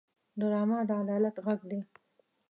ډرامه د عدالت غږ دی